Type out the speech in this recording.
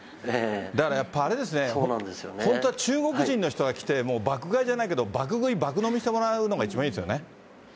だからやっぱりあれですね、本当は中国人の人が来て、爆買いじゃないけど、爆食い、爆飲みしてもらうのが一番いいですよね。